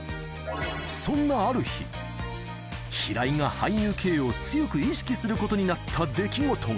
そんなある日、平井が俳優Ｋを強く意識することになった出来事が。